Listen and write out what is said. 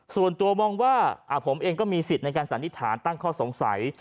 ส่วนตัวมองว่าผมเองก็มีสิทธิ์ในการสันนิษฐานตั้งข้อสงสัย